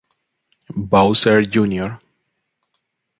Bowser Jr.